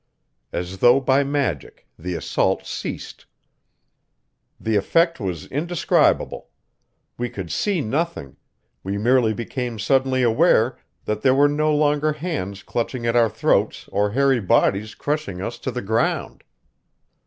As though by magic, the assault ceased. The effect was indescribable. We could see nothing; we merely became suddenly aware that there were no longer hands clutching at our throats or hairy bodies crushing us to the ground.